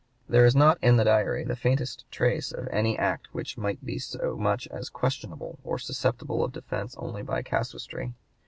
There is not in the Diary the faintest trace of any act which might be so much as questionable or susceptible of defence only by casuistry.